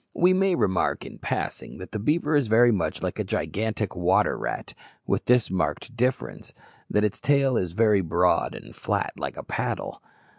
We may remark, in passing, that the beaver is very much like a gigantic water rat, with this marked difference, that its tail is very broad and flat like a paddle.